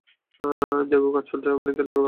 দেখো কাজ চলছে, এমনিতেই ল্যাবে, কাউকে নিয়ে আসা নিষেধ।